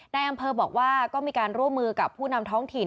นายอำเภอบอกว่าก็มีการร่วมมือกับผู้นำท้องถิ่น